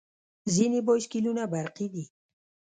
ځینې بایسکلونه برقي دي.